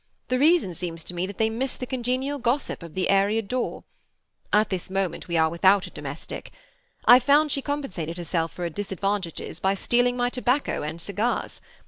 The reason seems to me that they miss the congenial gossip of the area door. At this moment we are without a domestic. I found she compensated herself for disadvantages by stealing my tobacco and cigars.